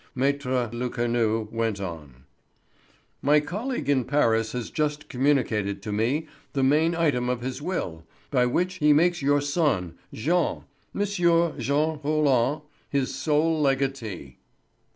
Maître Lecanu went on: "My colleague in Paris has just communicated to me the main item of his will, by which he makes your son Jean—Monsieur Jean Roland—his sole legatee."